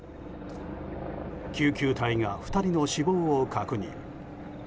救急隊が２人の死亡を確認。